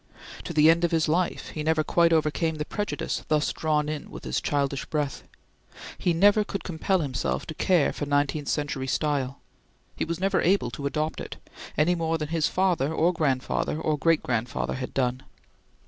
To the end of his life he never quite overcame the prejudice thus drawn in with his childish breath. He never could compel himself to care for nineteenth century style. He was never able to adopt it, any more than his father or grandfather or great grandfather had done.